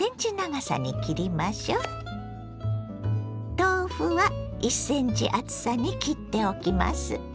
豆腐は１ｃｍ厚さに切っておきます。